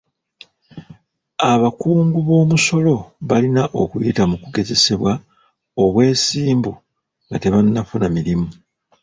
Abakungu b'omusolo balina okuyita mu kugezesebwa obwesimbu nga tebannafuna mirimu.